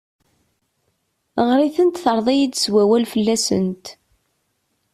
Ɣer-itent terreḍ-iyi-d s wawal fell-asent.